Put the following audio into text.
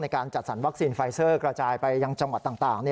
การจัดสรรวัคซีนไฟเซอร์กระจายไปยังจังหวัดต่าง